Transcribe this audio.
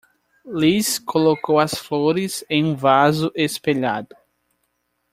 Liz colocou as flores em um vaso espelhado.